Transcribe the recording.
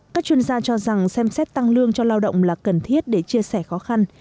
các chuyên gia cho rằng xem xét tăng lương cho lao động là cần thiết để chia sẻ khó khăn